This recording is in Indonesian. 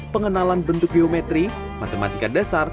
pengenalan bentuk geometri matematika dasar